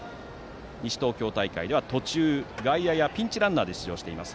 西東京大会では外野やピンチランナーで出場しています。